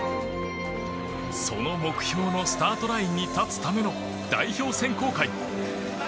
その目標のスタートラインに立つための代表選考会。